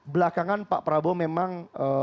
belakangan pak prabowo memang